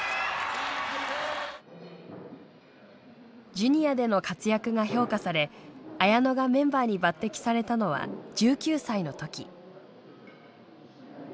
ジュニアでの活躍が評価され綾乃がメンバーに抜てきされたのは１９歳の時。